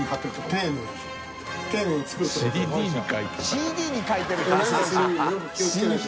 ＣＤに書いてるんだ。